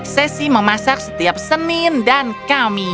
sesi memasak setiap senin dan kami